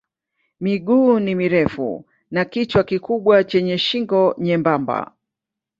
Miguu ni mirefu na kichwa kikubwa chenye shingo nyembamba.